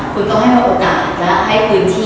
คุณต้องให้โอกาสและให้พื้นที่